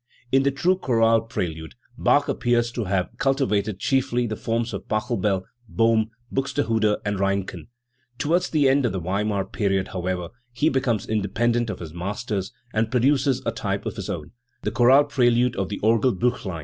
In the true chorale prelude, Bach appears to have culti* vated chiefly the forms of Pachelbel, Bohm, Buxtehude, and Reinken. Towards the end of the Weimar period, how ever, he becomes independent of his masters and produces a type of his own the chorale prelude of the Orgelbiich lein.